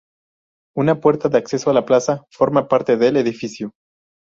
Una puerta de acceso a la plaza forma parte del edificio.